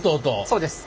そうです。